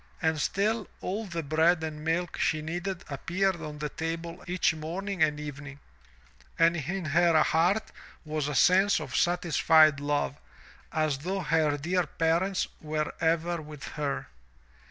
And still all the bread and milk she needed appeared on the table each morning and evening, and in her heart was a sense of satisfied love as though her dear parents were ever with her.